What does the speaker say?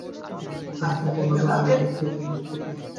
এখন ইহা পনর আনা দুঃখ ও এক আনা সুখরূপে প্রতিভাত হইতেছে।